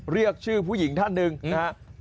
เรียกชื่อผู้หญิงท่านหนึ่งนะฮะ